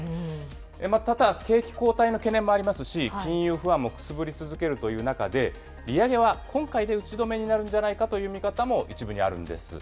ただ景気後退の懸念もありますし、金融不安もくすぶり続けるという中で、利上げは今回で打ち止めになるんじゃないかという見方も一部にあるんです。